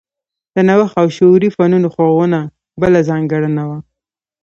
د نوښت او شعري فنونو خوښونه بله ځانګړنه وه